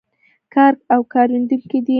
او کارېدونکی دی.